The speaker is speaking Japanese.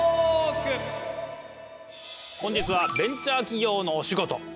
本日はベンチャー企業のお仕事。